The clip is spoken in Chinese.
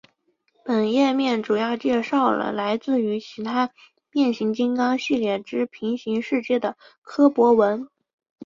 本页面主要介绍了来自于其他变形金刚系列之平行世界的柯博文。